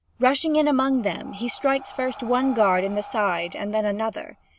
Rushing in among them, he strikes first one guard in the side and then another.